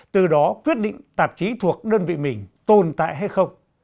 từ đó quyết định tạp chí thuộc đơn vị mình tồn tại hay không